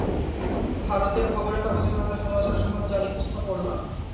ভারতের খবরের কাগজ ও তাদের সমালোচনা সম্বন্ধে যা লিখেছ, তা পড়লাম।